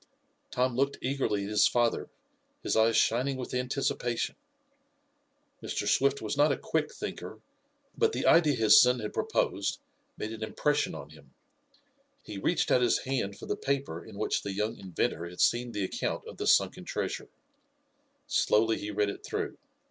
Tom looked eagerly at his father, his eyes shining with anticipation. Mr. Swift was not a quick thinker, but the idea his son had proposed made an impression on him. He reached out his hand for the paper in which the young inventor had seen the account of the sunken treasure. Slowly he read it through.